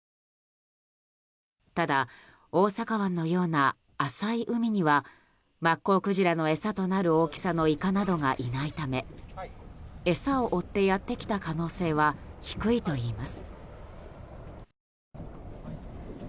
ただ、大阪湾のような浅い海にはマッコウクジラの餌となる大きさのイカなどがいないため餌を追ってやってきた可能性は低いといいます。